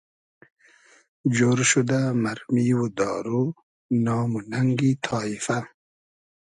جۉر شودۂ مئرمی و دارو نام و نئنگی تایفۂ